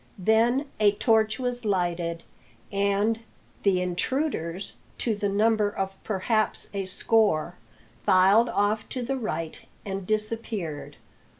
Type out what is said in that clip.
Then a torch was lighted, and 'the intruders, to the number of perhaps a score, filed off to the right and disappeared.